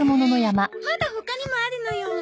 まだ他にもあるのよ。